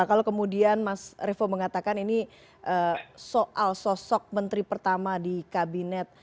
kalau kemudian mas revo mengatakan ini soal sosok menteri pertama di kabinet